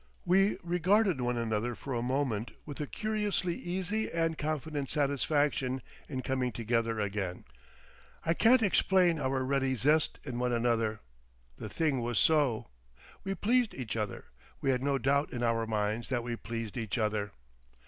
We regarded one another for a moment with a curiously easy and confident satisfaction in coming together again. I can't explain our ready zest in one another. The thing was so. We pleased each other, we had no doubt in our minds that we pleased each other.